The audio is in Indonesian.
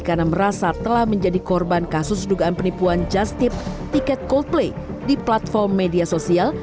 karena merasa telah menjadi korban kasus dugaan penipuan just tip tiket coldplay di platform media sosial